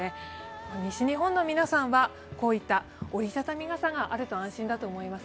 西日本の皆さんは折り畳み傘があると安心だと思います。